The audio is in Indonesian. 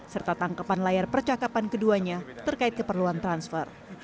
serta tangkapan layar percakapan keduanya terkait keperluan transfer